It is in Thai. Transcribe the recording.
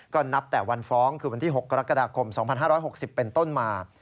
ก็นับแต่วันฟ้องคือวันที่๖กรกฎาคม๒๕๖๐เป็นต้นมา